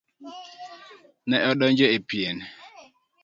Ne odonjo e pien.